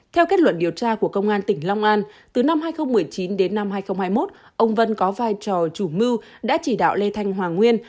theo kết luận điều tra của công an tỉnh long an từ năm hai nghìn một mươi chín đến năm hai nghìn hai mươi một ông vân có vai trò chủ mưu đã chỉ đạo lê thanh hoàng nguyên